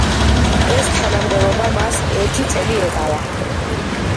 ეს ტანამდებობა მას ერთი წელი ეკავა.